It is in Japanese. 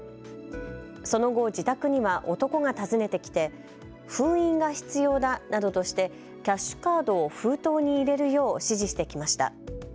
その後、自宅には男が訪ねてきて封印が必要だなどとしてキャッシュカードを封筒に入れるよう指示してきました。